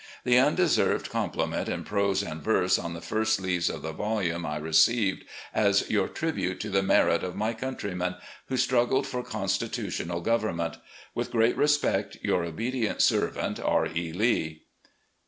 The undeserved compli ment in prose and verse, on the first leaves of the volume, a 14 RECOLLECTIONS OP GENERAL LEE I received as your tribute to the merit of my countr3rmen, who struggled for constitutional government. "With great respect, "Your obedient servant, "R. E. Lee."